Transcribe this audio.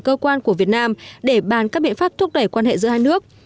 cơ quan của việt nam để bàn các biện pháp thúc đẩy quan hệ giữa hai nước